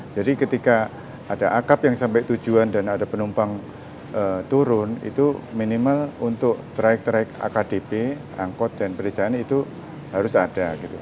jadi ketika ada akap yang sampai tujuan dan ada penumpang turun itu minimal untuk traik traik akdp angkot dan pedesaan itu harus ada gitu